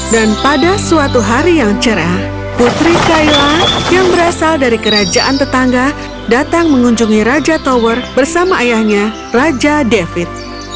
dan pada suatu hari yang cerah putri kayla yang berasal dari kerajaan tetangga datang mengunjungi raja tower bersama ayahnya raja david